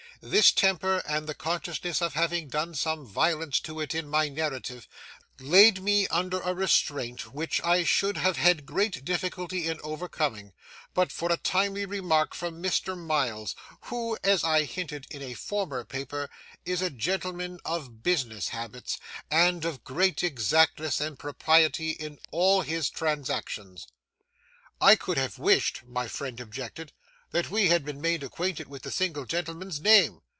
This temper, and the consciousness of having done some violence to it in my narrative, laid me under a restraint which I should have had great difficulty in overcoming, but for a timely remark from Mr. Miles, who, as I hinted in a former paper, is a gentleman of business habits, and of great exactness and propriety in all his transactions. 'I could have wished,' my friend objected, 'that we had been made acquainted with the single gentleman's name.